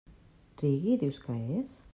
Reggae, dius que és?